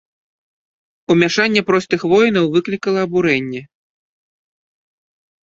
Умяшанне простых воінаў выклікала абурэнне.